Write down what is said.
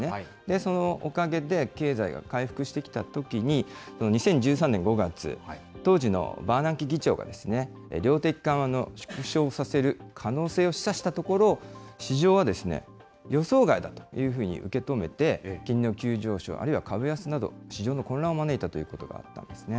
そのおかげで経済が回復してきたときに、２０１３年５月、当時のバーナンキ議長が量的緩和を縮小させる可能性を示唆したところ、市場は予想外だというふうに受け止めて、金利の急上昇、あるいは株安など、市場の混乱を招いたということがあったんですね。